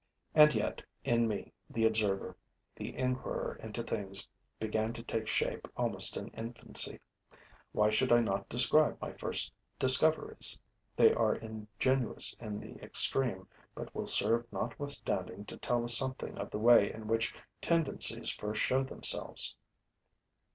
And yet, in me, the observer, the inquirer into things began to take shape almost in infancy. Why should I not describe my first discoveries? They are ingenuous in the extreme, but will serve notwithstanding to tell us something of the way in which tendencies first show themselves.